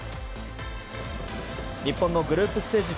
日本のグループステージ